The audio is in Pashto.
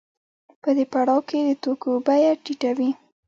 په دې پړاو کې د توکو بیه ټیټه وي